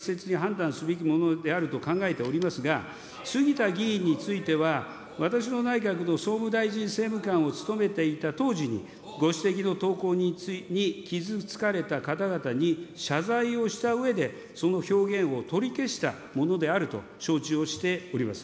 個々の議員の記者会見の要否については各議員が適切に判断すべきものであると考えておりますが、杉田議員については、私の内閣の総務大臣政務官を務めていた当時に、ご指摘の投稿に傷つかれた方々に謝罪をしたうえで、その表現を取り消したものであると承知をしております。